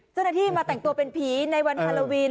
เจ้าหน้าที่มาแต่งตัวเป็นผีในวันฮาโลวีน